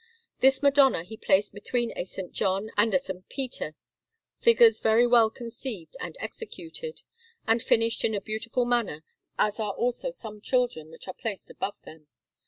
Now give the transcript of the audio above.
This Madonna he placed between a S. John and a S. Peter, figures very well conceived and executed, and finished in a beautiful manner, as are also some children which are placed above them.